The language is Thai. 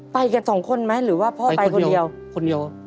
ไปกันสองคนไหมหรือว่าพ่อไปคนเดียวคนเดียว